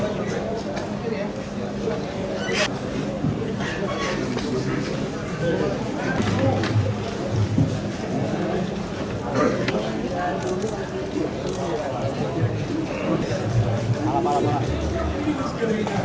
kasih ya kasih jalan ya sorry ya